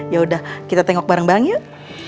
ya udah kita tengok bareng banget yuk